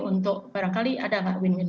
untuk barangkali ada nggak win win